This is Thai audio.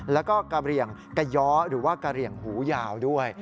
แล้วก็กะเหลี่ยงกะย้อหรือว่ากะเหลี่ยงหูยาวด้วย